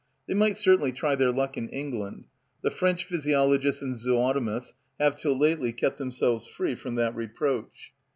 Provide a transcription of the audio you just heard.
They might certainly try their luck in England. The French physiologists and zootomists have (till lately) kept themselves free from that reproach.